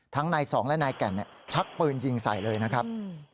นายสองและนายแก่นชักปืนยิงใส่เลยนะครับ